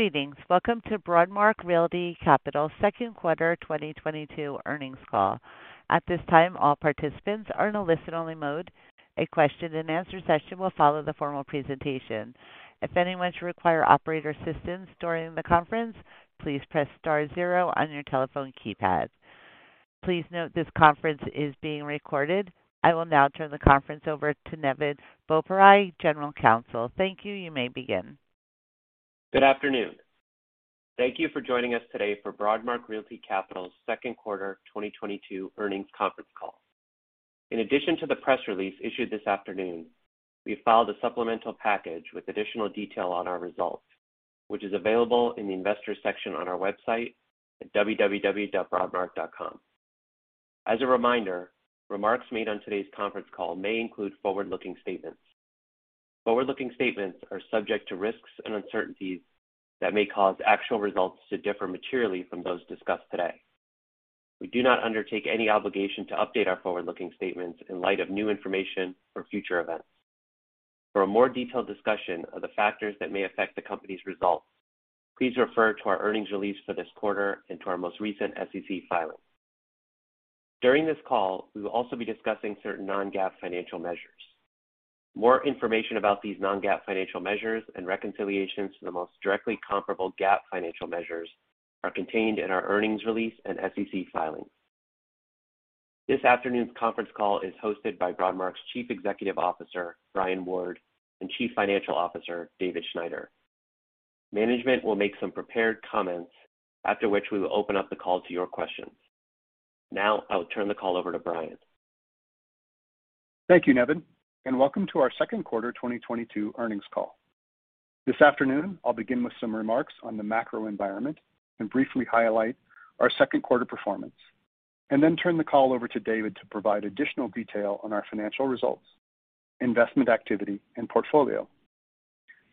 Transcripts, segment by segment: Greetings. Welcome to Broadmark Realty Capital second quarter 2022 earnings call. At this time, all participants are in a listen-only mode. A question-and-answer session will follow the formal presentation. If anyone should require operator assistance during the conference, please press star zero on your telephone keypad. Please note this conference is being recorded. I will now turn the conference over to Nevin Boparai, General Counsel. Thank you. You may begin. Good afternoon. Thank you for joining us today for Broadmark Realty Capital's second quarter 2022 earnings conference call. In addition to the press release issued this afternoon, we filed a supplemental package with additional detail on our results, which is available in the Investors section on our website at www.broadmark.com. As a reminder, remarks made on today's conference call may include forward-looking statements. Forward-looking statements are subject to risks and uncertainties that may cause actual results to differ materially from those discussed today. We do not undertake any obligation to update our forward-looking statements in light of new information or future events. For a more detailed discussion of the factors that may affect the company's results, please refer to our earnings release for this quarter and to our most recent SEC filing. During this call, we will also be discussing certain non-GAAP financial measures. More information about these non-GAAP financial measures and reconciliations to the most directly comparable GAAP financial measures are contained in our earnings release and SEC filings. This afternoon's conference call is hosted by Broadmark's Chief Executive Officer, Brian Ward, and Chief Financial Officer, David Schneider. Management will make some prepared comments, after which we will open up the call to your questions. Now, I will turn the call over to Brian. Thank you, Nevin, and welcome to our second quarter 2022 earnings call. This afternoon, I'll begin with some remarks on the macro environment and briefly highlight our second quarter performance, and then turn the call over to David to provide additional detail on our financial results, investment activity, and portfolio.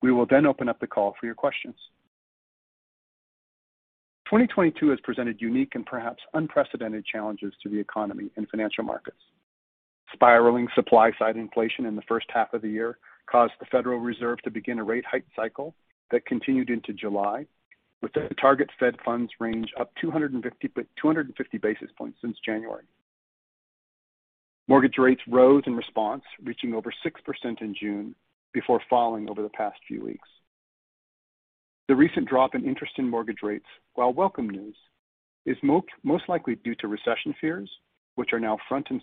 We will then open up the call for your questions. 2022 has presented unique and perhaps unprecedented challenges to the economy and financial markets. Spiraling supply-side inflation in the first half of the year caused the Federal Reserve to begin a rate hike cycle that continued into July, with the target Fed funds range up 250 basis points since January. Mortgage rates rose in response, reaching over 6% in June before falling over the past few weeks. The recent drop in interest in mortgage rates, while welcome news, is most likely due to recession fears, which are now front and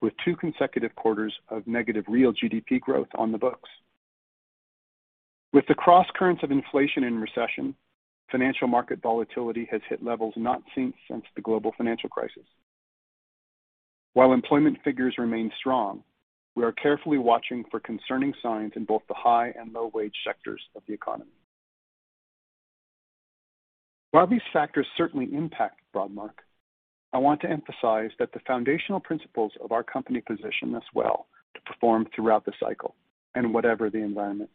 center with two consecutive quarters of negative real GDP growth on the books. With the crosscurrents of inflation and recession, financial market volatility has hit levels not seen since the global financial crisis. While employment figures remain strong, we are carefully watching for concerning signs in both the high and low wage sectors of the economy. While these factors certainly impact Broadmark, I want to emphasize that the foundational principles of our company position us well to perform throughout the cycle and whatever the environment.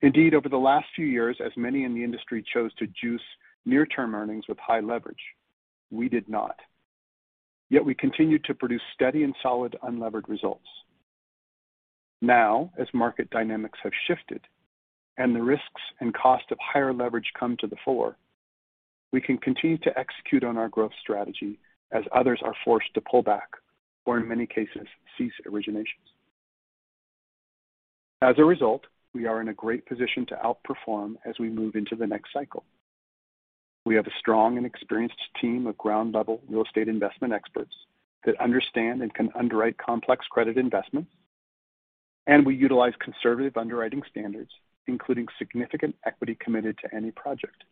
Indeed, over the last few years, as many in the industry chose to juice near-term earnings with high leverage, we did not. Yet, we continued to produce steady and solid unlevered results. Now, as market dynamics have shifted and the risks and cost of higher leverage come to the fore, we can continue to execute on our growth strategy as others are forced to pull back, or in many cases, cease originations. As a result, we are in a great position to outperform as we move into the next cycle. We have a strong and experienced team of ground-level real estate investment experts that understand and can underwrite complex credit investments, and we utilize conservative underwriting standards, including significant equity committed to any project.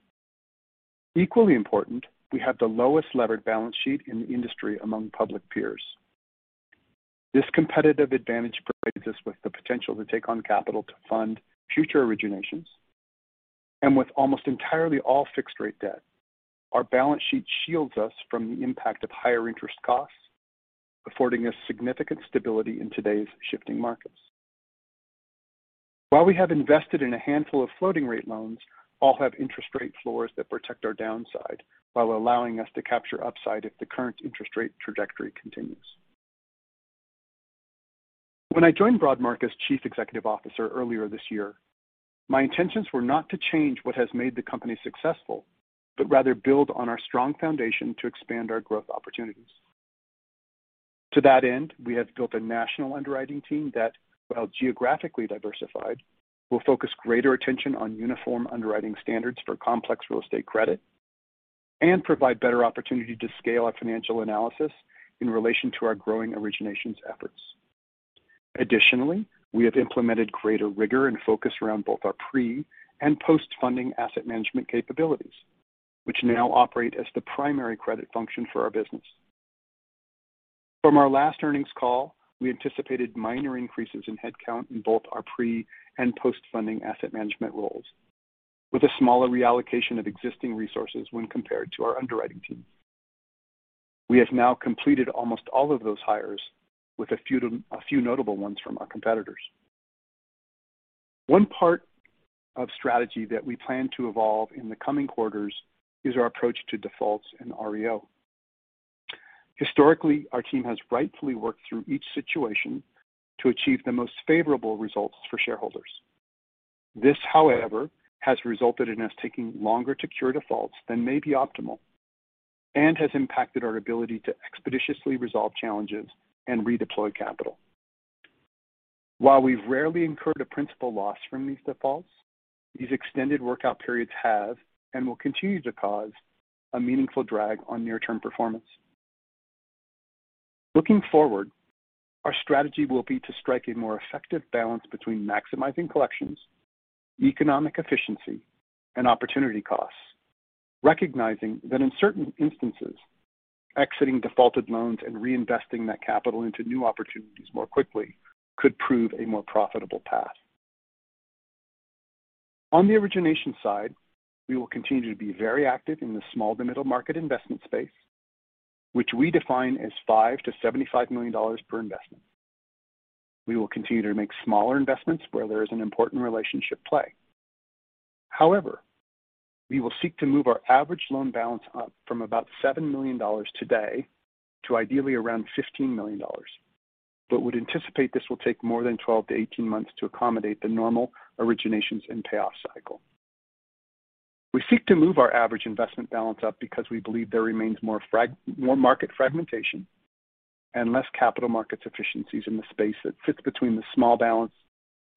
Equally important, we have the lowest levered balance sheet in the industry among public peers. This competitive advantage provides us with the potential to take on capital to fund future originations. With almost entirely all fixed rate debt, our balance sheet shields us from the impact of higher interest costs, affording us significant stability in today's shifting markets. While we have invested in a handful of floating rate loans, all have interest rate floors that protect our downside while allowing us to capture upside if the current interest rate trajectory continues. When I joined Broadmark as Chief Executive Officer earlier this year, my intentions were not to change what has made the company successful, but rather build on our strong foundation to expand our growth opportunities. To that end, we have built a national underwriting team that, while geographically diversified, will focus greater attention on uniform underwriting standards for complex real estate credit and provide better opportunity to scale our financial analysis in relation to our growing originations efforts. Additionally, we have implemented greater rigor and focus around both our pre- and post-funding asset management capabilities, which now operate as the primary credit function for our business. From our last earnings call, we anticipated minor increases in headcount in both our pre- and post-funding asset management roles, with a smaller reallocation of existing resources when compared to our underwriting team. We have now completed almost all of those hires with a few notable ones from our competitors. One part of strategy that we plan to evolve in the coming quarters is our approach to defaults in REO. Historically, our team has rightfully worked through each situation to achieve the most favorable results for shareholders. This, however, has resulted in us taking longer to cure defaults than may be optimal, and has impacted our ability to expeditiously resolve challenges and redeploy capital. While we've rarely incurred a principal loss from these defaults, these extended workout periods have and will continue to cause a meaningful drag on near-term performance. Looking forward, our strategy will be to strike a more effective balance between maximizing collections, economic efficiency, and opportunity costs, recognizing that in certain instances, exiting defaulted loans and reinvesting that capital into new opportunities more quickly could prove a more profitable path. On the origination side, we will continue to be very active in the small-to-middle market investment space, which we define as $5 million-$75 million per investment. We will continue to make smaller investments where there is an important relationship play. However, we will seek to move our average loan balance up from about $7 million today to ideally around $15 million. would anticipate this will take more than 12-18 months to accommodate the normal originations and payoff cycle. We seek to move our average investment balance up because we believe there remains more market fragmentation and less capital market efficiencies in the space that fits between the small balance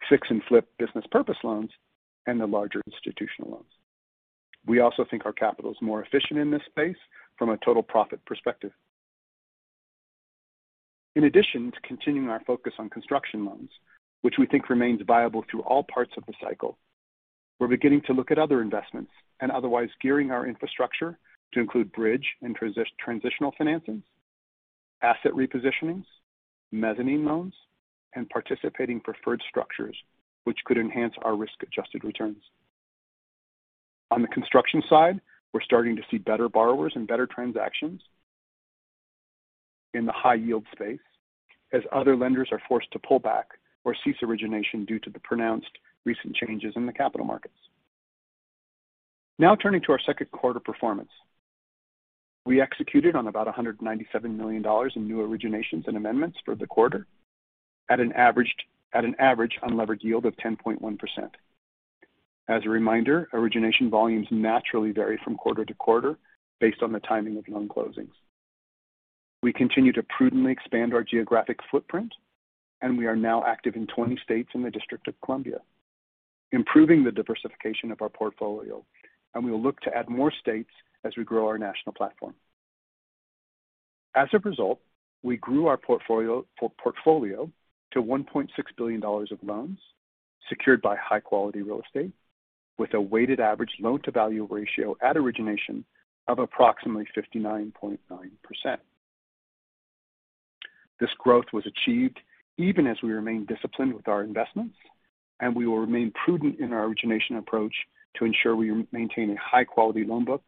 fix and flip business purpose loans and the larger institutional loans. We also think our capital is more efficient in this space from a total profit perspective. In addition to continuing our focus on construction loans, which we think remains viable through all parts of the cycle, we're beginning to look at other investments and otherwise gearing our infrastructure to include bridge and transitional financings, asset repositionings, mezzanine loans, and participating preferred structures which could enhance our risk-adjusted returns. On the construction side, we're starting to see better borrowers and better transactions in the high yield space as other lenders are forced to pull back or cease origination due to the pronounced recent changes in the capital markets. Now turning to our second quarter performance. We executed on about $197 million in new originations and amendments for the quarter at an average unlevered yield of 10.1%. As a reminder, origination volumes naturally vary from quarter to quarter based on the timing of loan closings. We continue to prudently expand our geographic footprint, and we are now active in 20 states and the District of Columbia, improving the diversification of our portfolio, and we will look to add more states as we grow our national platform. As a result, we grew our portfolio to $1.6 billion of loans secured by high-quality real estate with a weighted average loan-to-value ratio at origination of approximately 59.9%. This growth was achieved even as we remain disciplined with our investments, and we will remain prudent in our origination approach to ensure we maintain a high-quality loan book,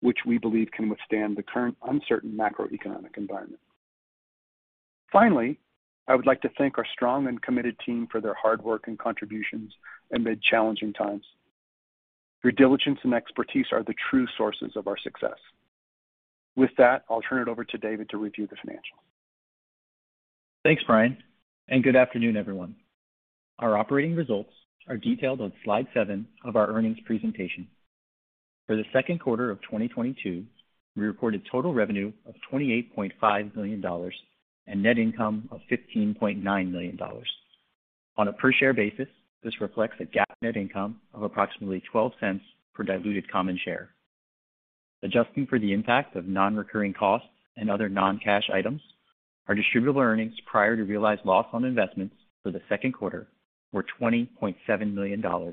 which we believe can withstand the current uncertain macroeconomic environment. Finally, I would like to thank our strong and committed team for their hard work and contributions amid challenging times. Your diligence and expertise are the true sources of our success. With that, I'll turn it over to David to review the financials. Thanks, Brian, and good afternoon, everyone. Our operating results are detailed on slide seven of our earnings presentation. For the second quarter of 2022, we reported total revenue of $28.5 million and net income of $15.9 million. On a per-share basis, this reflects a GAAP net income of approximately $0.12 per diluted common share. Adjusting for the impact of non-recurring costs and other non-cash items, our distributable earnings prior to realized loss on investments for the second quarter were $20.7 million, or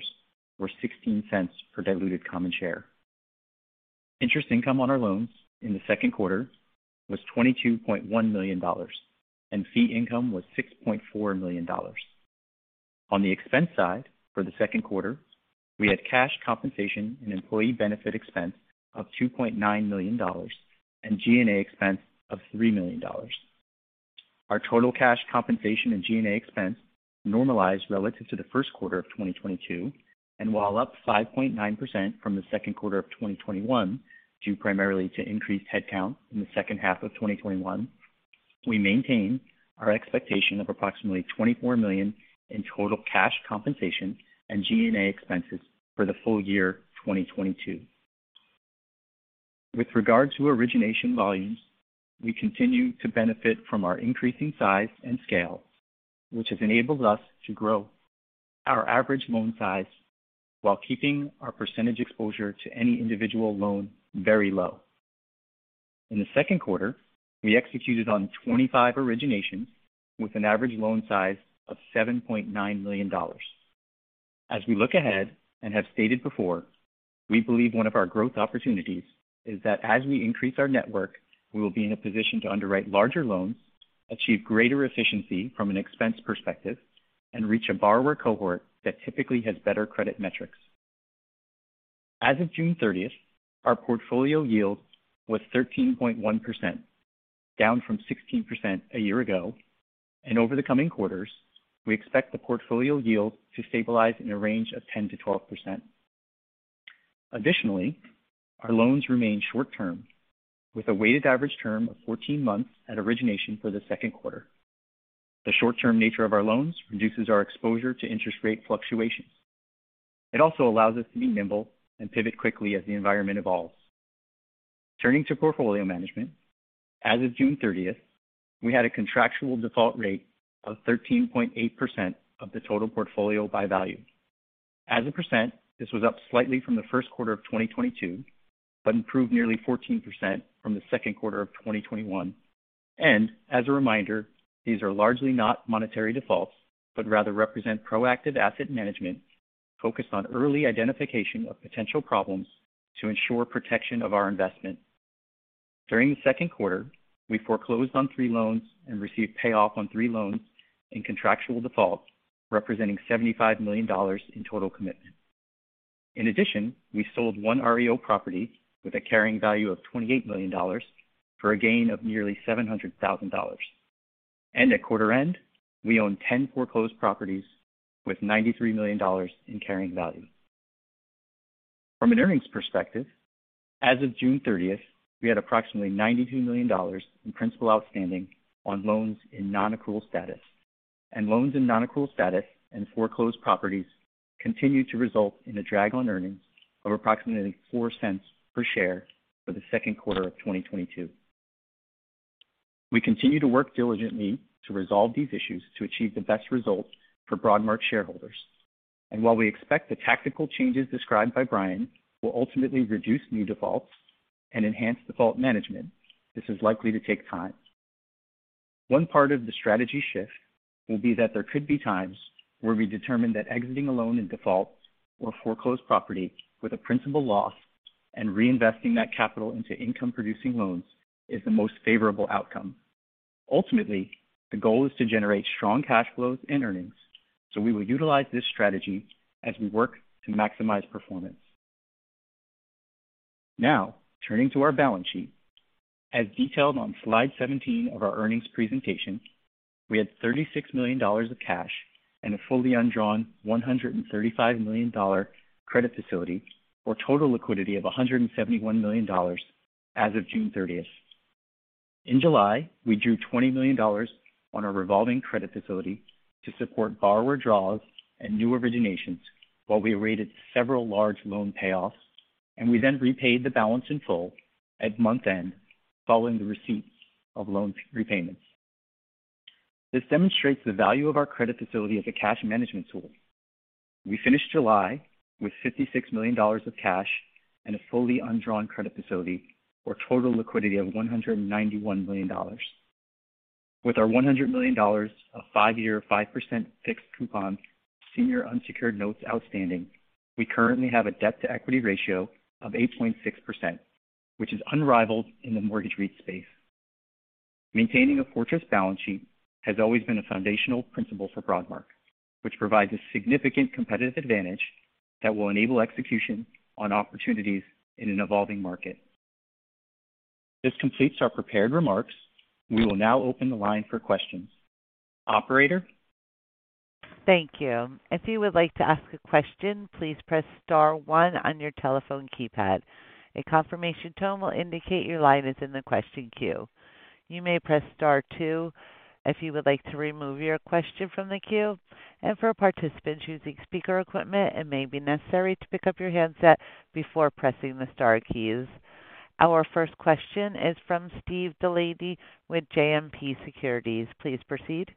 $0.16 per diluted common share. Interest income on our loans in the second quarter was $22.1 million, and fee income was $6.4 million. On the expense side for the second quarter, we had cash compensation and employee benefit expense of $2.9 million and G&A expense of $3 million. Our total cash compensation and G&A expense normalized relative to the first quarter of 2022, and while up 5.9% from the second quarter of 2021 due primarily to increased headcount in the second half of 2021. We maintain our expectation of approximately $24 million in total cash compensation and G&A expenses for the full year 2022. With regard to origination volumes, we continue to benefit from our increasing size and scale, which has enabled us to grow our average loan size while keeping our percentage exposure to any individual loan very low. In the second quarter, we executed on 25 originations with an average loan size of $7.9 million. As we look ahead and have stated before, we believe one of our growth opportunities is that as we increase our network, we will be in a position to underwrite larger loans, achieve greater efficiency from an expense perspective, and reach a borrower cohort that typically has better credit metrics. As of June 30th, our portfolio yield was 13.1%, down from 16% a year ago. Over the coming quarters, we expect the portfolio yield to stabilize in a range of 10%-12%. Additionally, our loans remain short-term with a weighted average term of 14 months at origination for the second quarter. The short-term nature of our loans reduces our exposure to interest rate fluctuations. It also allows us to be nimble and pivot quickly as the environment evolves. Turning to portfolio management, as of June 30th, we had a contractual default rate of 13.8% of the total portfolio by value. As a percent, this was up slightly from the first quarter of 2022, but improved nearly 14% from the second quarter of 2021. As a reminder, these are largely not monetary defaults, but rather represent proactive asset management focused on early identification of potential problems to ensure protection of our investment. During the second quarter, we foreclosed on three loans and received payoff on three loans in contractual default, representing $75 million in total commitment. In addition, we sold one REO property with a carrying value of $28 million for a gain of nearly $700,000. At quarter end, we own 10 foreclosed properties with $93 million in carrying value. From an earnings perspective, as of June 30th, we had approximately $92 million in principal outstanding on loans in non-accrual status. Loans in non-accrual status and foreclosed properties continued to result in a drag on earnings of approximately $0.04 per share for the second quarter of 2022. We continue to work diligently to resolve these issues to achieve the best results for Broadmark shareholders. While we expect the tactical changes described by Brian will ultimately reduce new defaults and enhance default management, this is likely to take time. One part of the strategy shift will be that there could be times where we determine that exiting a loan in default or foreclosed property with a principal loss and reinvesting that capital into income-producing loans is the most favorable outcome. Ultimately, the goal is to generate strong cash flows and earnings, so we will utilize this strategy as we work to maximize performance. Now turning to our balance sheet. As detailed on slide 17 of our earnings presentation, we had $36 million of cash and a fully undrawn $135 million credit facility for total liquidity of $171 million as of June 30th. In July, we drew $20 million on our revolving credit facility to support borrower draws and new originations while we awaited several large loan payoffs, and we then repaid the balance in full at month-end following the receipt of loan repayments. This demonstrates the value of our credit facility as a cash management tool. We finished July with $56 million of cash and a fully undrawn credit facility, or total liquidity of $191 million. With our $100 million of five-year, 5% fixed coupon senior unsecured notes outstanding, we currently have a debt-to-equity ratio of 8.6%, which is unrivaled in the mortgage REIT space. Maintaining a fortress balance sheet has always been a foundational principle for Broadmark, which provides a significant competitive advantage that will enable execution on opportunities in an evolving market. This completes our prepared remarks. We will now open the line for questions. Operator? Thank you. If you would like to ask a question, please press star one on your telephone keypad. A confirmation tone will indicate your line is in the question queue. You may press star two if you would like to remove your question from the queue. For participants using speaker equipment, it may be necessary to pick up your handset before pressing the star keys. Our first question is from Steve DeLaney with JMP Securities. Please proceed.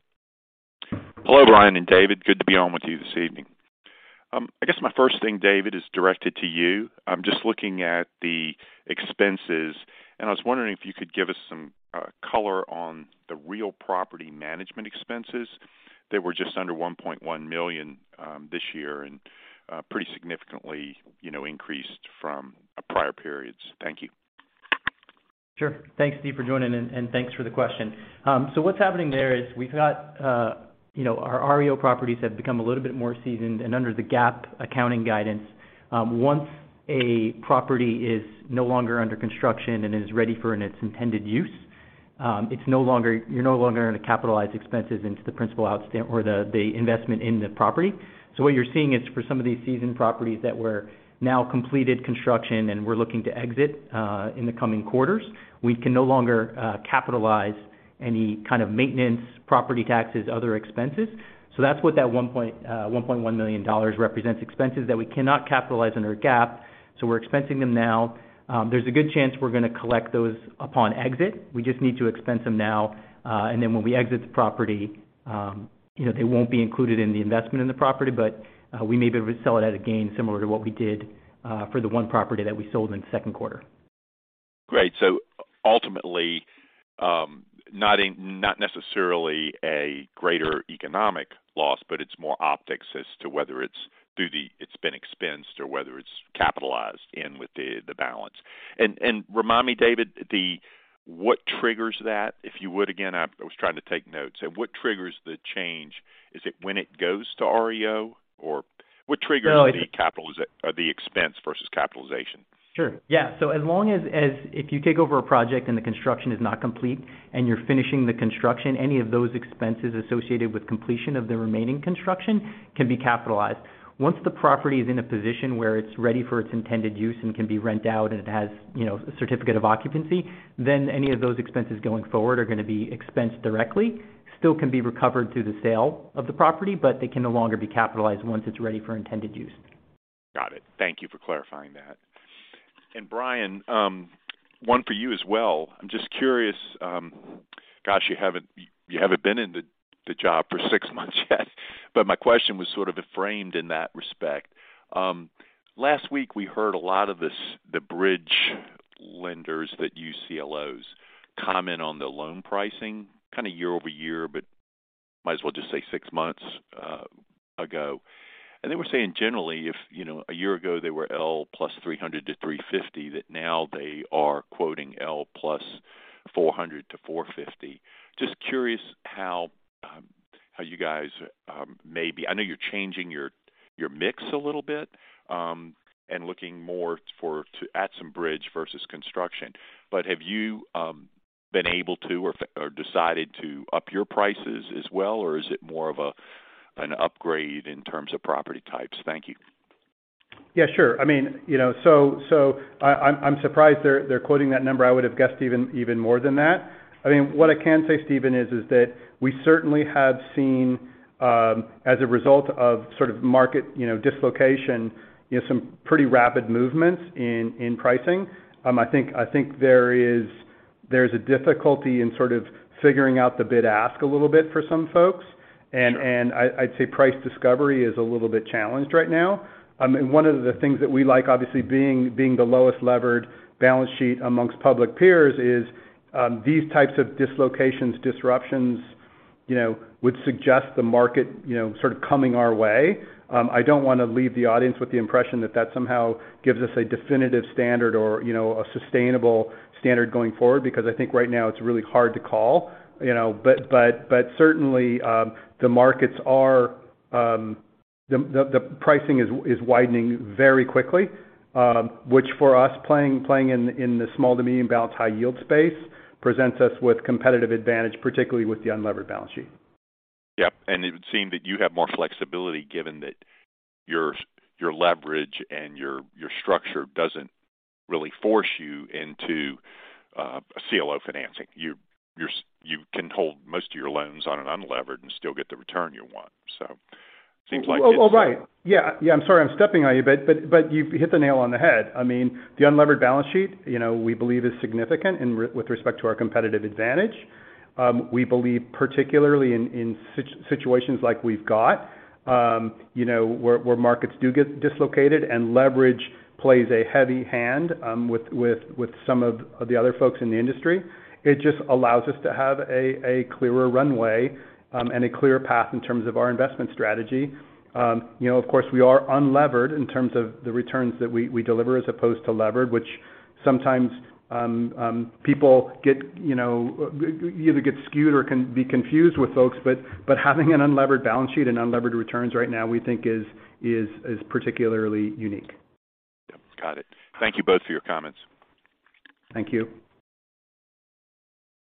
Hello, Brian and David. Good to be on with you this evening. I guess my first thing, David, is directed to you. I'm just looking at the expenses and I was wondering if you could give us some color on the real property management expenses. They were just under $1.1 million this year and pretty significantly, you know, increased from prior periods. Thank you. Sure. Thanks, Steve, for joining, and thanks for the question. What's happening there is we've got, you know, our REO properties have become a little bit more seasoned and under the GAAP accounting guidance, once a property is no longer under construction and is ready for its intended use, you're no longer gonna capitalize expenses into the principal outstanding or the investment in the property. What you're seeing is for some of these seasoned properties that were now completed construction and we're looking to exit in the coming quarters, we can no longer capitalize any kind of maintenance, property taxes, other expenses. That's what that $1.1 million represents, expenses that we cannot capitalize under GAAP, so we're expensing them now. There's a good chance we're gonna collect those upon exit. We just need to expense them now, and then when we exit the property, you know, they won't be included in the investment in the property, but we may be able to sell it at a gain similar to what we did, for the one property that we sold in the second quarter. Great. Ultimately, not necessarily a greater economic loss, but it's more optics as to whether it's been expensed or whether it's capitalized in with the balance. Remind me, David, what triggers that? If you would again, I was trying to take notes. What triggers the change? Is it when it goes to REO or what triggers the capitalization, the expense versus capitalization? Sure. Yeah. As long as if you take over a project and the construction is not complete and you're finishing the construction, any of those expenses associated with completion of the remaining construction can be capitalized. Once the property is in a position where it's ready for its intended use and can be rent out and it has, you know, a certificate of occupancy, then any of those expenses going forward are gonna be expensed directly. Still can be recovered through the sale of the property, but they can no longer be capitalized once it's ready for intended use. Got it. Thank you for clarifying that. Brian, one for you as well. I'm just curious, you haven't been in the job for 6 months yet, but my question was sort of framed in that respect. Last week we heard a lot of this, the bridge lenders that use CLOs comment on the loan pricing kind of year-over-year, but might as well just say six months ago. They were saying generally if, you know, a year ago they were L+300-350, that now they are quoting L+400-450. Just curious how you guys maybe... I know you're changing your mix a little bit, and looking more for to add some bridge versus construction, but have you been able to, or decided to up your prices as well or is it more of a, an upgrade in terms of property types? Thank you. Yeah, sure. I mean, you know, so I'm surprised they're quoting that number. I would've guessed even more than that. I mean, what I can say, Stephen, is that we certainly have seen, as a result of sort of market dislocation, some pretty rapid movements in pricing. I think there's a difficulty in sort of figuring out the bid-ask a little bit for some folks. I'd say price discovery is a little bit challenged right now. One of the things that we like obviously being the lowest levered balance sheet amongst public peers is these types of dislocations, disruptions, you know, would suggest the market, you know, sort of coming our way. I don't wanna leave the audience with the impression that that somehow gives us a definitive standard or, you know, a sustainable standard going forward because I think right now it's really hard to call, you know. Certainly, the markets are, the pricing is widening very quickly, which for us playing in the small to medium balance high yield space presents us with competitive advantage, particularly with the unlevered balance sheet. Yep. It would seem that you have more flexibility given that your leverage and your structure doesn't really force you into a CLO financing. You can hold most of your loans on an unlevered and still get the return you want. Seems like it's- Well, right. Yeah, I'm sorry I'm stepping on you, but you hit the nail on the head. I mean, the unlevered balance sheet, you know, we believe is significant with respect to our competitive advantage. We believe particularly in situations like we've got, you know, where markets do get dislocated and leverage plays a heavy hand with some of the other folks in the industry. It just allows us to have a clearer runway and a clear path in terms of our investment strategy. You know, of course, we are unlevered in terms of the returns that we deliver as opposed to levered, which sometimes people get, you know, either get skewed or can be confused with folks. Having an unlevered balance sheet and unlevered returns right now, we think, is particularly unique. Yep. Got it. Thank you both for your comments. Thank you.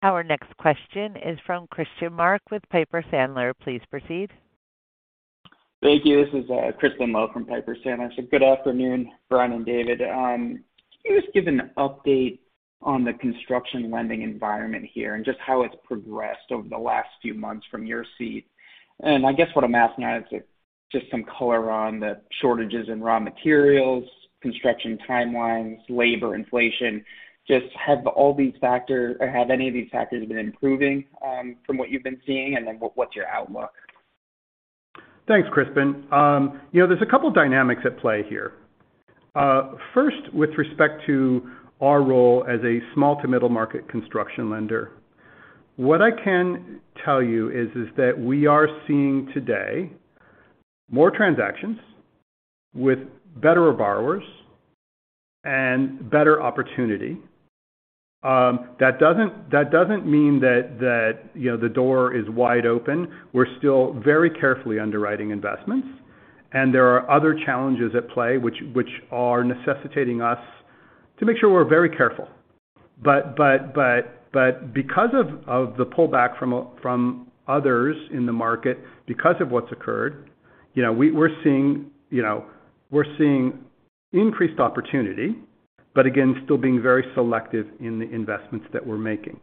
Our next question is from Christian Mark with Piper Sandler. Please proceed. Thank you. This is Crispin Love from Piper Sandler. Good afternoon, Brian and David. Can you just give an update on the construction lending environment here and just how it's progressed over the last few months from your seat? I guess what I'm asking now is just some color on the shortages in raw materials, construction timelines, labor inflation. Have all these factors or have any of these factors been improving from what you've been seeing? Then what is your outlook? Thanks, Crispin. You know, there's a couple dynamics at play here. First, with respect to our role as a small to middle market construction lender, what I can tell you is that we are seeing today more transactions with better borrowers and better opportunity. That doesn't mean that, you know, the door is wide open. We're still very carefully underwriting investments, and there are other challenges at play, which are necessitating us to make sure we're very careful. Because of the pullback from others in the market because of what's occurred, you know, we're seeing increased opportunity, but again, still being very selective in the investments that we're making.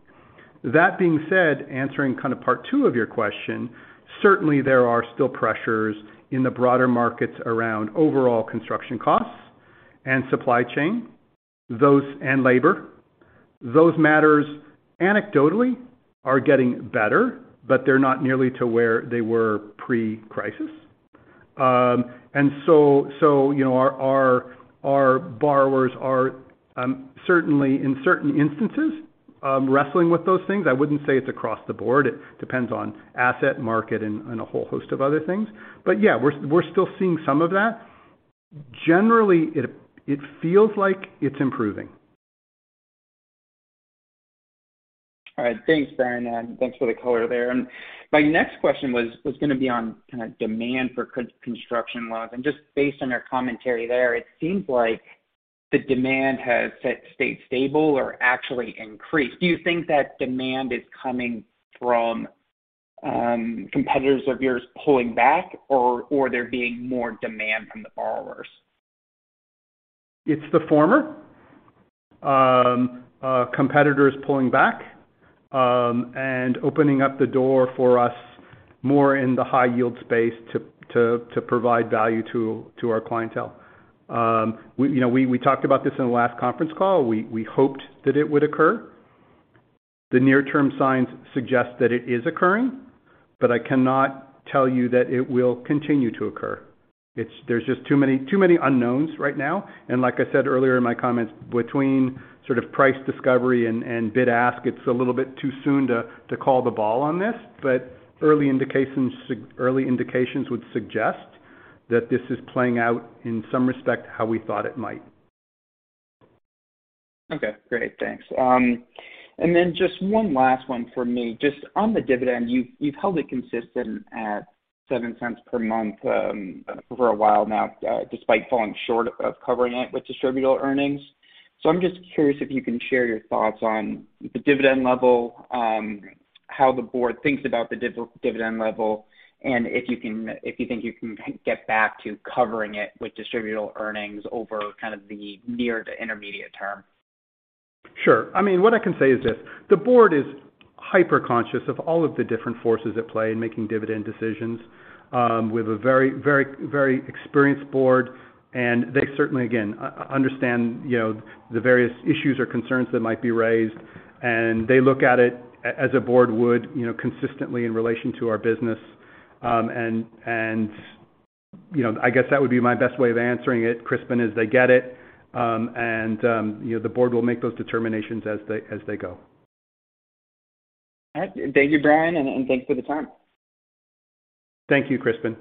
That being said, answering kind of part two of your question, certainly there are still pressures in the broader markets around overall construction costs and supply chain, those and labor. Those matters anecdotally are getting better, but they're not nearly to where they were pre-crisis. You know, our borrowers are certainly in certain instances wrestling with those things. I wouldn't say it's across the board. It depends on asset market and a whole host of other things. Yeah, we're still seeing some of that. Generally, it feels like it's improving. All right. Thanks, Brian. Thanks for the color there. My next question was gonna be on kinda demand for construction loans. Just based on your commentary there, it seems like the demand has stayed stable or actually increased. Do you think that demand is coming from competitors of yours pulling back or there being more demand from the borrowers? It's the former. Competitors pulling back and opening up the door for us more in the high yield space to provide value to our clientele. You know, we talked about this in the last conference call. We hoped that it would occur. The near-term signs suggest that it is occurring, but I cannot tell you that it will continue to occur. There's just too many unknowns right now. Like I said earlier in my comments, between sort of price discovery and bid-ask, it's a little bit too soon to call the ball on this. Early indications would suggest that this is playing out in some respect how we thought it might. Okay, great. Thanks. And then just one last one for me. Just on the dividend, you've held it consistent at $0.07 per month for a while now, despite falling short of covering it with distributable earnings. I'm just curious if you can share your thoughts on the dividend level, how the board thinks about the dividend level, and if you think you can get back to covering it with distributable earnings over kind of the near to intermediate term. Sure. I mean, what I can say is this. The board is hyper-conscious of all of the different forces at play in making dividend decisions with a very experienced board, and they certainly, again, understand, you know, the various issues or concerns that might be raised. They look at it as a board would, you know, consistently in relation to our business. You know, I guess that would be my best way of answering it, Crispin, is they get it. You know, the board will make those determinations as they go. All right. Thank you, Brian, and thanks for the time. Thank you, Crispin.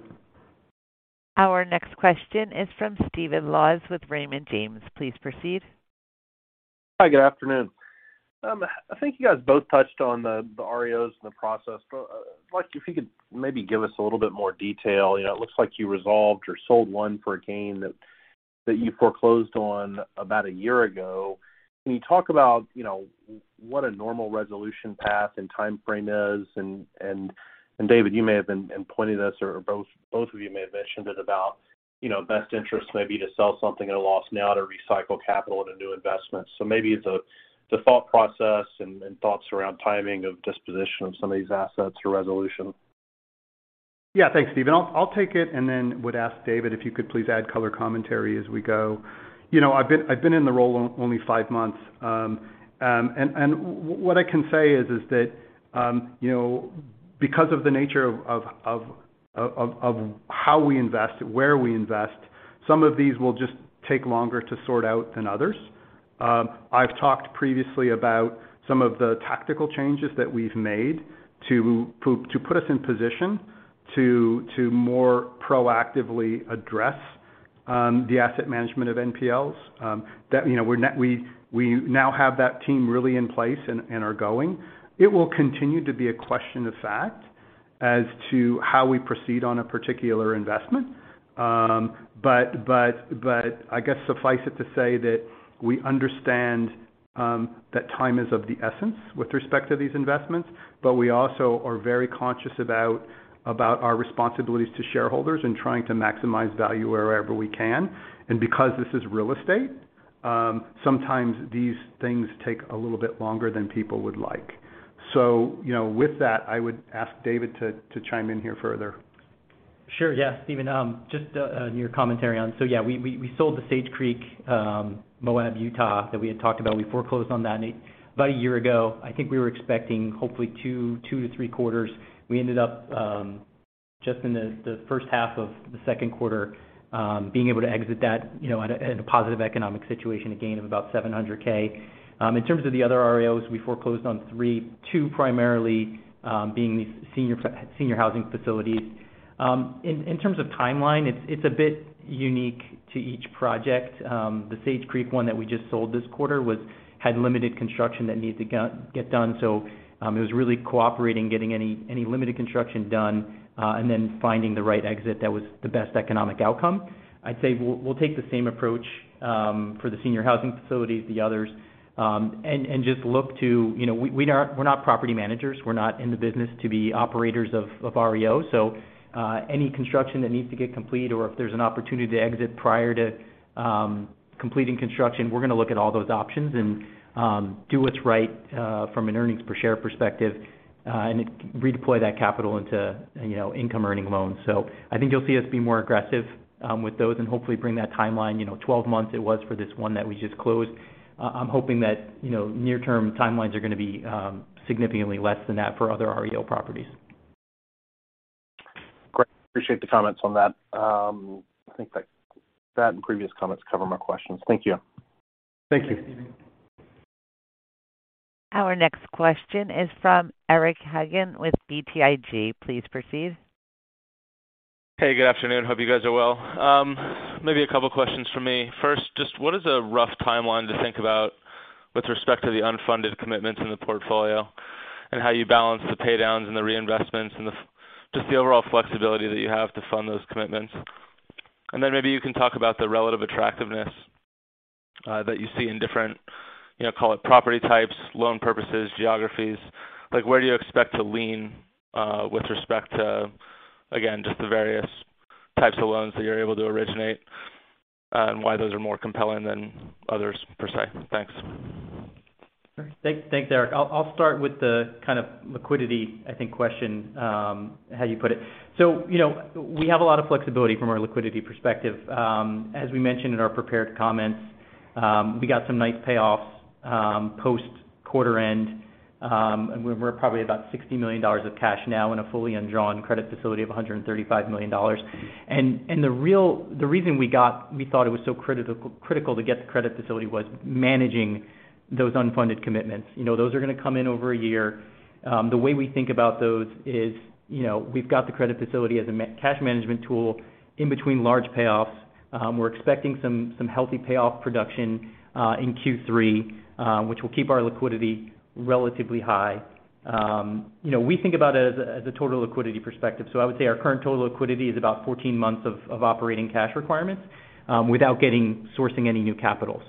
Our next question is from Stephen Laws with Raymond James. Please proceed. Hi, good afternoon. I think you guys both touched on the REOs and the process, but like if you could maybe give us a little bit more detail. You know, it looks like you resolved or sold one for a gain that you foreclosed on about a year ago. Can you talk about, you know, what a normal resolution path and timeframe is? David, you may have been and pointed us, or both of you may have mentioned it about, you know, best interest maybe to sell something at a loss now to recycle capital into new investments. Maybe the thought process and thoughts around timing of disposition of some of these assets or resolution. Yeah. Thanks, Stephen. I'll take it and then would ask David if you could please add color commentary as we go. You know, I've been in the role only five months. What I can say is that, you know, because of the nature of how we invest, where we invest, some of these will just take longer to sort out than others. I've talked previously about some of the tactical changes that we've made to put us in position to more proactively address the asset management of NPLs. You know, we're now we now have that team really in place and are going. It will continue to be a question of fact as to how we proceed on a particular investment. But I guess suffice it to say that we understand that time is of the essence with respect to these investments, but we also are very conscious about our responsibilities to shareholders in trying to maximize value wherever we can. Because this is real estate, sometimes these things take a little bit longer than people would like. You know, with that, I would ask David to chime in here further. Sure, yeah. Stephen, just your commentary on. We sold the Sage Creek, Moab, Utah, that we had talked about. We foreclosed on that about a year ago. I think we were expecting hopefully two to three quarters. We ended up just in the first half of the second quarter being able to exit that, you know, at a positive economic situation, a gain of about $700K. In terms of the other REOs, we foreclosed on three, two primarily being these senior housing facilities. In terms of timeline, it's a bit unique to each project. The Sage Creek one that we just sold this quarter had limited construction that needed to get done. It was really coordinating, getting any limited construction done, and then finding the right exit that was the best economic outcome. I'd say we'll take the same approach for the senior housing facilities, the others, and just look to, you know. We're not property managers. We're not in the business to be operators of REO. Any construction that needs to get completed or if there's an opportunity to exit prior to completing construction, we're gonna look at all those options and do what's right from an earnings per share perspective and redeploy that capital into, you know, income-earning loans. I think you'll see us be more aggressive with those and hopefully bring that timeline, you know, 12 months it was for this one that we just closed. I'm hoping that, you know, near-term timelines are gonna be significantly less than that for other REO properties. Great. Appreciate the comments on that. I think that and previous comments cover my questions. Thank you. Thank you. Our next question is from Eric Hagen with BTIG. Please proceed. Hey, good afternoon. Hope you guys are well. Maybe a couple questions from me. First, just what is a rough timeline to think about with respect to the unfunded commitments in the portfolio and how you balance the pay downs and the reinvestments and the just the overall flexibility that you have to fund those commitments. Then maybe you can talk about the relative attractiveness that you see in different, you know, call it property types, loan purposes, geographies. Like, where do you expect to lean with respect to, again, just the various types of loans that you're able to originate and why those are more compelling than others, per se? Thanks. Sure. Thanks, Eric. I'll start with the kind of liquidity, I think, question, how you put it. You know, we have a lot of flexibility from a liquidity perspective. As we mentioned in our prepared comments, we got some nice payoffs, post quarter end, and we're probably about $60 million of cash now in a fully undrawn credit facility of $135 million. The reason we thought it was so critical to get the credit facility was managing those unfunded commitments. You know, those are gonna come in over a year. The way we think about those is, you know, we've got the credit facility as a cash management tool in between large payoffs. We're expecting some healthy payoff production in Q3, which will keep our liquidity relatively high. You know, we think about it as a total liquidity perspective. I would say our current total liquidity is about 14 months of operating cash requirements without sourcing any new capital.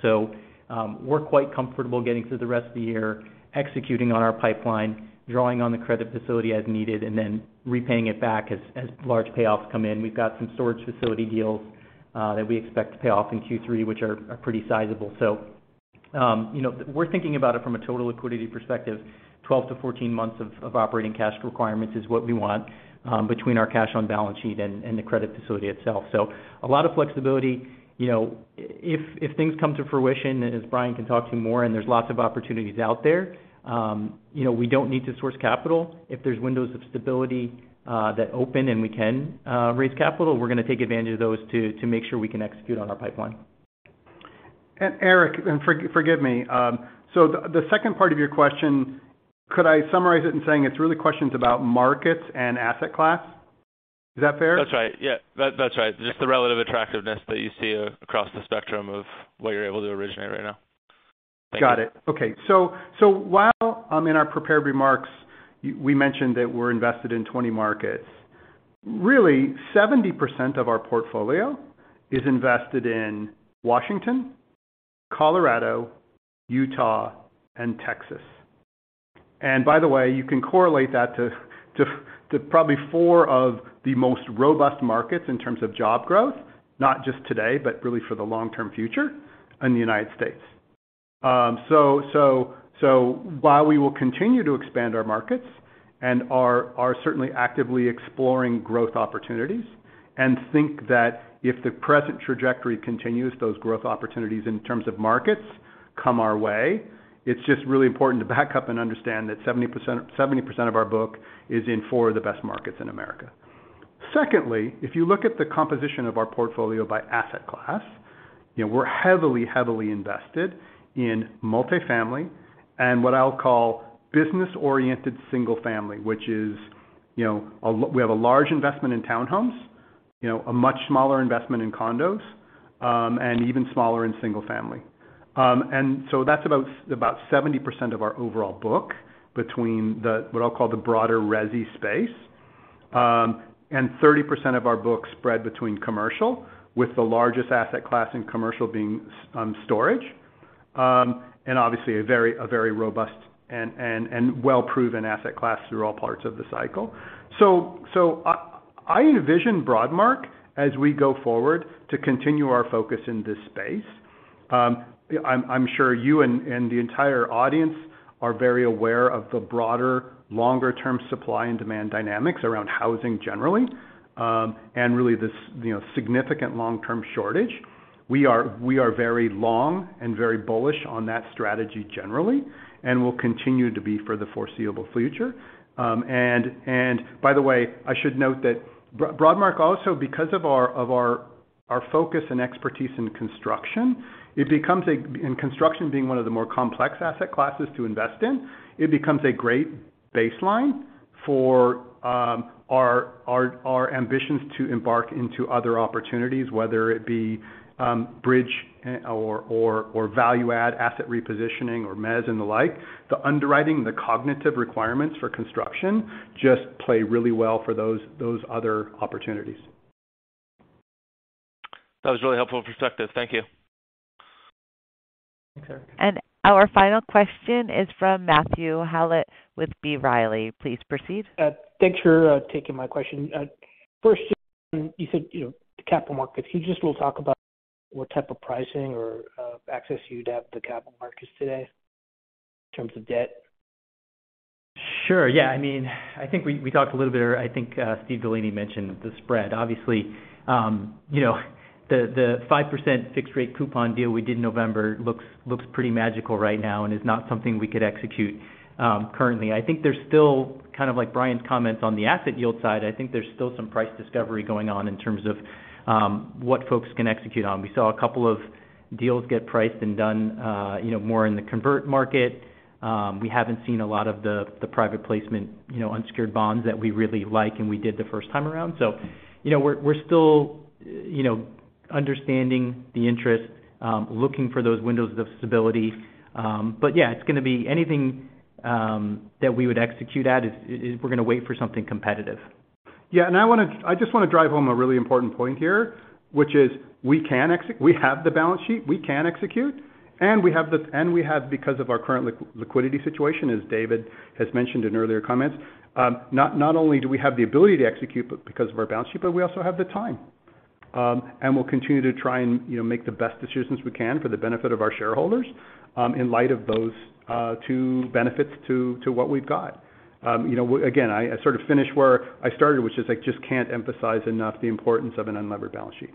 We're quite comfortable getting through the rest of the year, executing on our pipeline, drawing on the credit facility as needed, and then repaying it back as large payoffs come in. We've got some storage facility deals that we expect to pay off in Q3, which are pretty sizable. You know, we're thinking about it from a total liquidity perspective. 12-14 months of operating cash requirements is what we want between our cash on balance sheet and the credit facility itself. A lot of flexibility. You know, if things come to fruition, as Brian can talk to you more and there's lots of opportunities out there, you know, we don't need to source capital. If there's windows of stability that open and we can raise capital, we're gonna take advantage of those to make sure we can execute on our pipeline. Eric, forgive me. The second part of your question, could I summarize it in saying it's really questions about markets and asset class? Is that fair? That's right. Yeah. That's right. Just the relative attractiveness that you see across the spectrum of what you're able to originate right now. Thank you. Got it. Okay. While in our prepared remarks, we mentioned that we're invested in 20 markets. Really, 70% of our portfolio is invested in Washington, Colorado, Utah, and Texas. By the way, you can correlate that to probably four of the most robust markets in terms of job growth, not just today, but really for the long-term future in the United States. While we will continue to expand our markets and are certainly actively exploring growth opportunities and think that if the present trajectory continues, those growth opportunities in terms of markets come our way, it's just really important to back up and understand that 70% of our book is in four of the best markets in America. Secondly, if you look at the composition of our portfolio by asset class, you know, we're heavily invested in multifamily and what I'll call business-oriented single family, which is, you know, we have a large investment in townhomes, you know, a much smaller investment in condos, and even smaller in single family. That's about 70% of our overall book between the, what I'll call the broader resi space. 30% of our books spread between commercial with the largest asset class in commercial being storage. Obviously a very robust and well-proven asset class through all parts of the cycle. I envision Broadmark, as we go forward, to continue our focus in this space. I'm sure you and the entire audience are very aware of the broader, longer-term supply and demand dynamics around housing generally, and really this, you know, significant long-term shortage. We are very long and very bullish on that strategy generally and will continue to be for the foreseeable future. By the way, I should note that Broadmark also, because of our focus and expertise in construction. In construction being one of the more complex asset classes to invest in, it becomes a great baseline for our ambitions to embark into other opportunities, whether it be bridge or value add asset repositioning or mezz and the like. The underwriting, the cognitive requirements for construction just play really well for those other opportunities. That was a really helpful perspective. Thank you. Thanks, Eric. Our final question is from Matthew Howlett with B. Riley. Please proceed. Thanks for taking my question. First, you said, you know, the capital markets. Can you talk about what type of pricing or access you'd have to capital markets today in terms of debt? Sure. Yeah. I mean, I think we talked a little bit. I think Steve DeLaney mentioned the spread. Obviously, you know, the 5% fixed rate coupon deal we did in November looks pretty magical right now and is not something we could execute currently. I think there's still kind of like Brian's comments on the asset yield side. I think there's still some price discovery going on in terms of what folks can execute on. We saw a couple of deals get priced and done, you know, more in the convert market. We haven't seen a lot of the private placement, you know, unsecured bonds that we really like and we did the first time around. You know, we're still understanding the interest, looking for those windows of stability. Yeah, it's gonna be anything that we would execute at is we're gonna wait for something competitive. Yeah. I just wanna drive home a really important point here, which is we have the balance sheet, we can execute, and we have because of our current liquidity situation, as David has mentioned in earlier comments, not only do we have the ability to execute, but because of our balance sheet, we also have the time. We'll continue to try and, you know, make the best decisions we can for the benefit of our shareholders, in light of those two benefits to what we've got. You know, again, I sort of finish where I started, which is I just can't emphasize enough the importance of an unlevered balance sheet.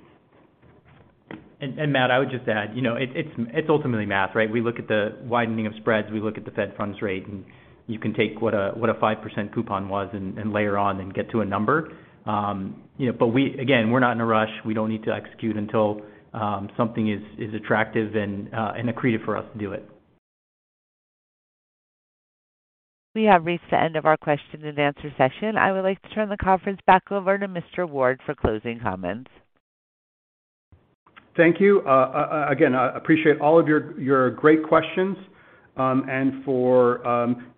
Matt, I would just add, you know, it's ultimately math, right? We look at the widening of spreads, we look at the Fed funds rate, and you can take what a 5% coupon was and layer on and get to a number. You know, but again, we're not in a rush. We don't need to execute until something is attractive and accretive for us to do it. We have reached the end of our question and answer session. I would like to turn the conference back over to Mr. Ward for closing comments. Thank you. Again, I appreciate all of your great questions, and for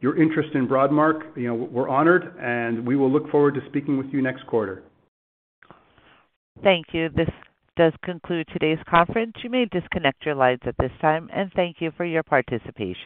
your interest in Broadmark. You know, we're honored, and we will look forward to speaking with you next quarter. Thank you. This does conclude today's conference. You may disconnect your lines at this time, and thank you for your participation.